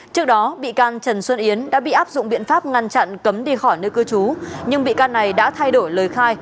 trước đó bị can trần xuân yến đã bị áp dụng biện pháp ngăn chặn cấm đi khỏi nơi cư trú nhưng bị can này đã thay đổi lời khai